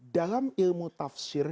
dalam ilmu tafsir